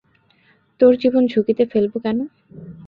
তোর জীবন ঝুঁকিতে ফেলব কেন?